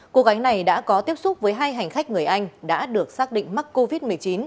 cô gái này đã có tiếp xúc với hai hành khách người anh đã được xác định mắc covid một mươi chín